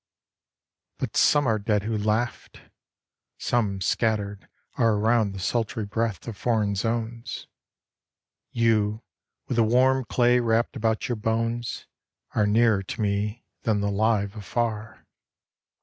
But some are dead who laughed ! Some scat tered are Around the sultry breadth of foreign zones. You, with the warm clay wrapt about your bones, Are nearer to me than the live afar.